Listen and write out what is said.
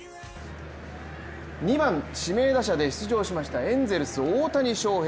２番・指名打者で出場しましたエンゼルス・大谷翔平。